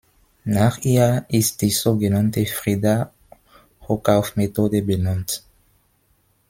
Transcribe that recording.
Nach ihr ist die so genannte Frida-Hockauf-Methode benannt.